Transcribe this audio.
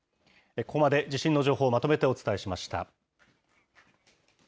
ここまで地震の情報をまとめてお伝えしました。